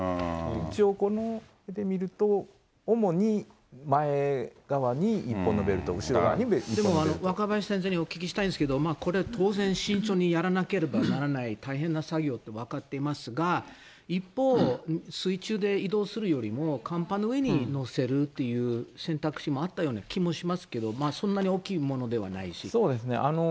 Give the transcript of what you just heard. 一応、この絵で見ると、主に前側に１本のベルト、でも、若林先生にお聞きしたいんですけれども、当然慎重にやらなければならない大変な作業って分かっていますが、一方、水中で移動するよりも、甲板の上に載せるという選択肢もあったような気もしますけど、そんなに大きいそうですね。